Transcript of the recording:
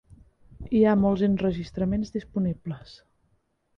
Hi ha molts enregistraments disponibles.